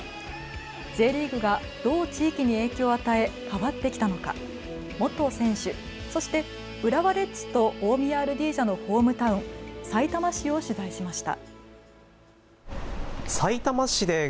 Ｊリーグがどう地域に影響を与え変わってきたのか元選手、そして浦和レッズと大宮アルディージャのホームタウン、さいたま市を取材しました。